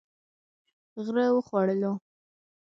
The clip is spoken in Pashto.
غره و خوړلو.